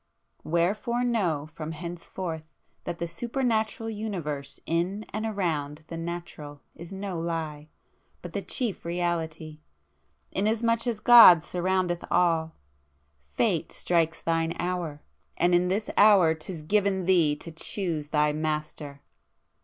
Wherefore know from henceforth that the Supernatural Universe in and around the Natural is no lie,—but the chief Reality, inasmuch as God surroundeth all! Fate strikes thine hour,—and in this hour 'tis given thee to choose thy Master.